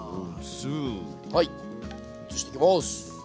はい移していきます。